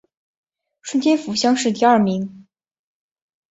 顺天府乡试第二名。